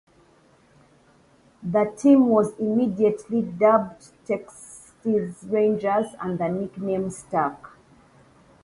The team was immediately dubbed 'Tex's Rangers', and the nickname stuck.